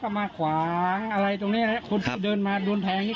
เอาไว้นี่ไงถ่ายดูไว้ถ่ายดูไว้